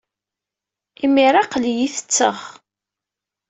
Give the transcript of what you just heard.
Imir-a, aql-iyi ttetteɣ.